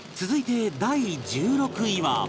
続いて、第１６位は